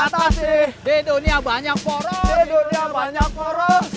di dunia banyak poros